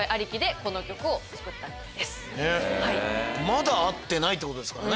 まだ会ってないってことですから。